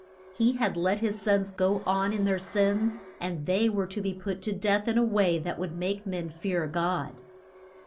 He had let his sons go on in their sins, and they were to be put to death in a way that would make men fear God.